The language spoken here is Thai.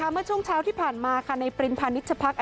เมื่อช่วงเช้าที่ผ่านมาในปรินพาณิชพัก